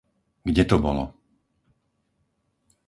Kde to bolo?